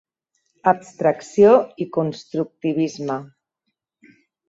Abstracció i constructivisme.